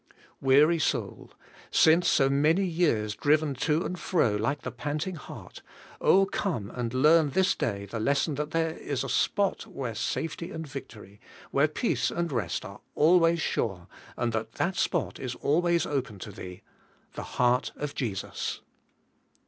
Weary soul, since .so many years driven to and fro like the panting hart, come and learn this day the lesson that there is a spot where safety and victory, where peace and rest, are always sure, and that that spot is always open to thee— the heart of Jesus.